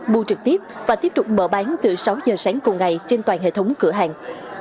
mua trực tiếp và tiếp tục mở bán từ sáu giờ sáng cùng ngày trên toàn hệ thống cửa hàng